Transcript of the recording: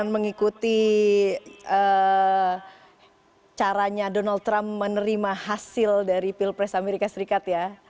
mengikuti caranya donald trump menerima hasil dari pilpres amerika serikat ya